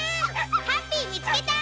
ハッピーみつけた！